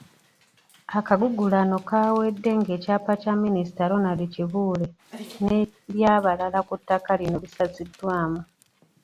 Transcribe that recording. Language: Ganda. Akagugulano kaawedde ng’ekyapa kya Minisita Ronald Kibuule n’eby'abalala ku ttaka lino bisaziddwamu.